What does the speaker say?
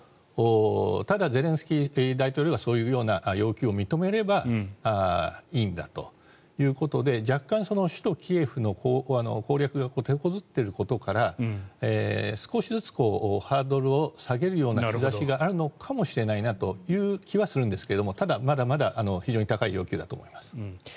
ただゼレンスキー大統領はそういう要求を認めればいいんだということで若干、首都キエフの攻略が手こずっていることから少しずつハードルを下げるような兆しがあるのかもしれないなという気はするんですがただ、まだまだ非常に高い要求だと思います。